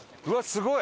すごい！